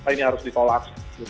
ini harus ditolak